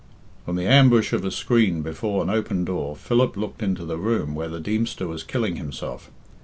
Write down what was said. From the ambush of a screen before an open door, Philip looked into the room where the Deemster was killing himself.